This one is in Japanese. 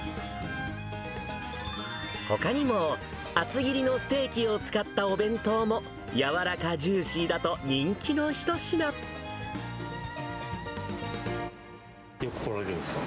ほかにも、厚切りのステーキを使ったお弁当も、柔らかジューシーだと人気のよく来られるんですか？